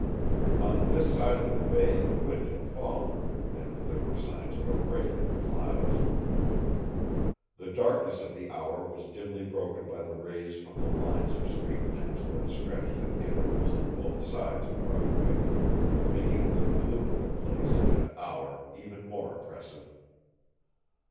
On this side of the bay the wind had fallen, and there were signs of a break in the clouds. The darkness of the hour was dimly broken by the rays from the lines of street lamps that stretched at intervals on both sides of Broadway, making the gloom of the place and hour even more oppressive.